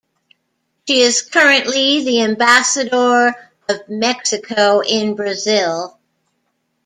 She is currently the ambassador of Mexico in Brazil.